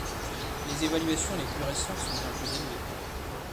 Les évaluations les plus récentes sont bien plus élevées.